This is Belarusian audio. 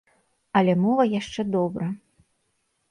Але мова яшчэ добра.